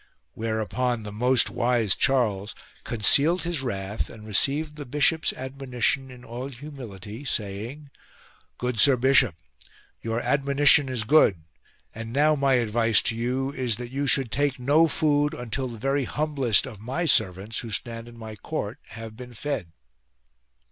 Whereupon the most wise Charles concealed his wrath, and received the bishop's admonition in all humility, saying, " Good sir bishop, your admonition is good ; and now my advice to you is that you should take no food until the very humblest of my servants, who stand in my court, have been fed."